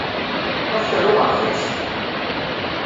Ṛuḥet ar uɣerbaz!